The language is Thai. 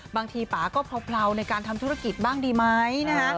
ป่าก็เผลาในการทำธุรกิจบ้างดีไหมนะฮะ